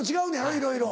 いろいろ。